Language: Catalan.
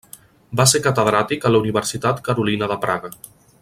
Va ser catedràtic a la Universitat Carolina de Praga.